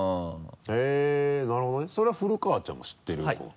へぇなるほどねそれは古川ちゃんも知ってる子なの？